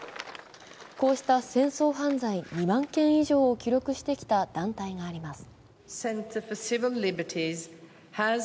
こうした戦争犯罪２万件以上を記録してきた団体があります。